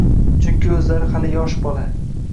Chunki o`zlari hali yosh bola